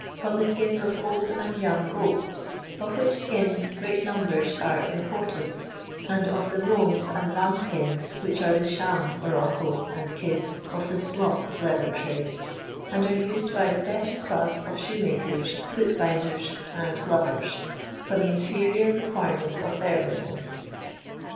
from the skins of old and young goats, of which skins great numbers are imported, and of the roans and lambskins which are the sham morocco and kids of the "slop" leather trade, and are used by the better class of shoemakers, book binders, and glovers, for the inferior requirements of their business.